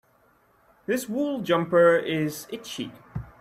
This wool jumper is itchy.